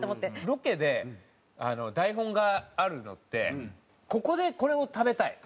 ロケで台本があるのって「ここでこれを食べたい」